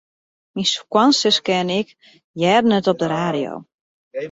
Myn skoansuske en ik hearden it op de radio.